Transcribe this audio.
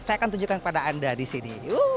kita tunjukkan kepada anda di sini